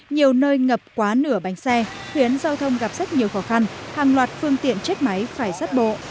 nhiều nơi ngập quá nửa bánh xe khiến giao thông gặp rất nhiều khó khăn hàng loạt phương tiện chết máy phải sắt bộ